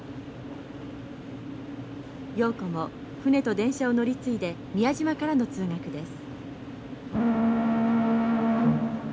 瑤子も船と電車を乗り継いで宮島からの通学です。